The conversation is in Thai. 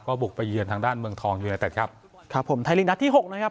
ก็บุกไปเยือนทางด้านเมืองทองอยู่ในตัดครับครับผมนัดที่หกนะครับ